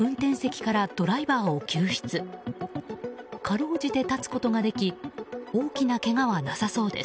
かろうじて立つことができ大きなけがはなさそうです。